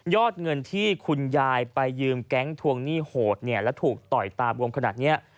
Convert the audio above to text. เงินที่คุณยายไปยืมแก๊งทวงหนี้โหดเนี่ยแล้วถูกต่อยตาบวมขนาดนี้